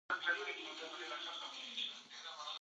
ازادي راډیو د اداري فساد په اړه د پوهانو څېړنې تشریح کړې.